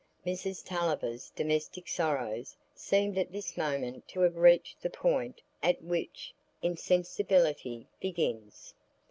Mrs Tulliver's domestic sorrows seemed at this moment to have reached the point at which insensibility begins.